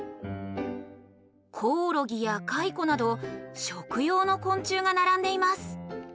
コオロギやカイコなど食用の昆虫がならんでいます。